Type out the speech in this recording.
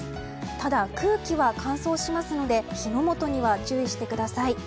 ただ、空気は乾燥しますので火の元には注意してください。